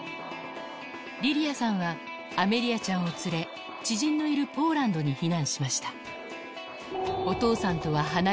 リリアさんはアメリアちゃんを連れ、知人のいるポーランドに避難しました。